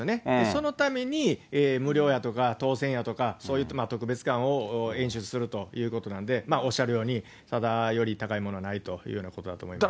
そのために、無料やとか、当せんやとか、そういった特別感を演出するということなんで、おっしゃるように、ただより高いものはないというようなことだと思います。